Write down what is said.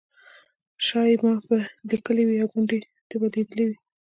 شایي ما به لیکلي وي او ګوندې ده به لیدلي وي.